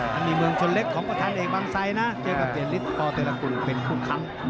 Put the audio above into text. มันมีเมืองชนเล็กของประธานเอกบางทรายนะเจอกับเดียนฤทธิ์พอเตรียร์ละกุลเป็นคู่ครั้ง